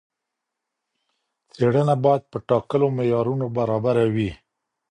څېړنه باید په ټاکلو معیارونو برابره وي.